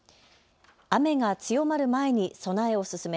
雨が強まる前に備えを進め